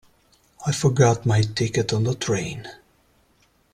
I forgot my ticket on the train.